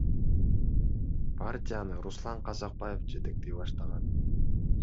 Партияны Руслан Казакбаев жетектей баштаган.